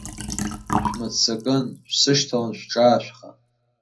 Шәмыццакын, шәсышьҭаланы шәҿаашәха.